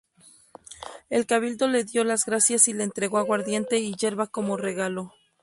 El cabildo le dio las gracias y le entregó aguardiente y yerba como regalo.